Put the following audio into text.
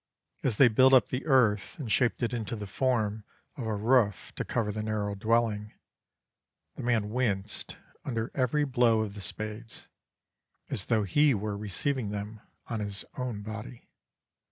As they built up the earth, and shaped it into the form of a roof to cover that narrow dwelling, the man winced under every blow of the spades, as though he were receiving them on his own body.